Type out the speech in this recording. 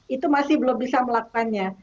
itu masih belum bisa melakukannya